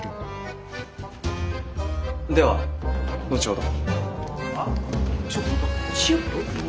では後ほど。